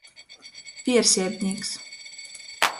Vierseibnīks.